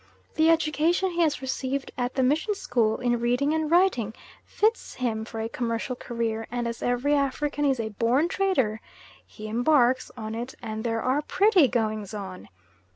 The education he has received at the mission school in reading and writing fits him for a commercial career, and as every African is a born trader he embarks on it, and there are pretty goings on!